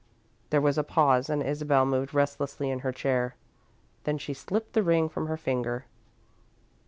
There was a pause and Isabel moved restlessly in her chair. Then she slipped the ring from her finger.